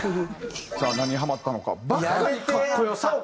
さあ何にハマったのか。